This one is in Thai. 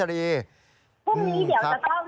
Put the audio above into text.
กันต่อนะคุณวัชรีพรุ่งนี้เดี๋ยวจะต้องให้เอ่อผู้ภายค่ะ